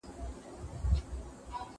که پوهه وکارول شي، ستونزې حل کېږي.